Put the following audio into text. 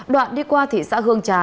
đoạn đi qua thị xã hương trà